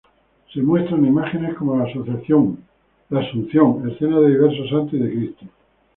Se muestran imágenes como la Asunción, escenas de diversos santos y de Cristo.